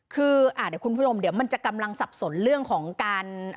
คือคุณพุทธมเดี๋ยวมันจะกำลังสับสนเรื่องของการ